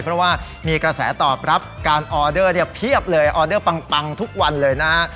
เพราะว่ามีกระแสตอบรับการออเดอร์เนี่ยเพียบเลยออเดอร์ปังทุกวันเลยนะฮะ